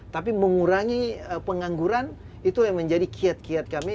tapi mengurangi pengangguran itu yang menjadi kiat kiat kami